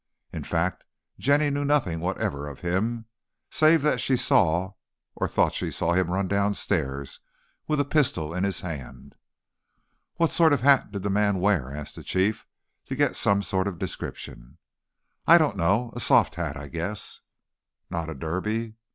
In fact, Jenny knew nothing whatever of him, save that she saw or thought she saw him run downstairs, with a pistol in his hand. "What sort of hat did the man wear?" asked the Chief, to get some sort of description. "I don't know, a soft hat, I guess." "Not a Derby?"